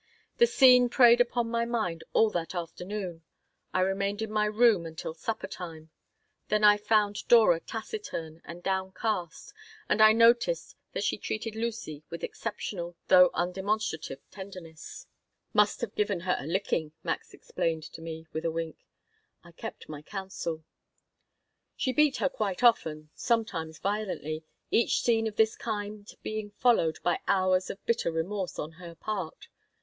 The scene preyed upon my mind all that afternoon. I remained in my room until supper time. Then I found Dora taciturn and downcast and I noticed that she treated Lucy with exceptional, though undemonstrative, tenderness "Must have given her a licking," Max explained to me, with a wink I kept my counsel She beat her quite often, sometimes violently, each scene of this kind being followed by hours of bitter remorse on her part.